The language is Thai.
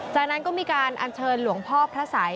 จากนั้นก็มีการอัญเชิญหลวงพ่อพระสัย